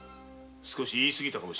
少し言い過ぎたかも。